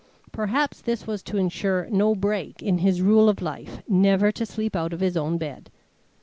Perhaps this was to ensure no break in his rule of life never to sleep out of his own bed.